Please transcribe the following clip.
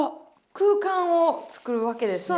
空間をつくるわけですね。